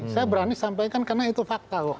saya berani sampaikan karena itu fakta kok